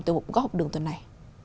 từng góc đường tuần này